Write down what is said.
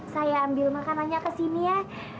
saya ambil makanannya kesini ya